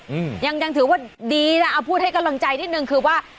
อืมยังยังถือว่าดีนะเอาพูดให้กำลังใจนิดนึงคือว่า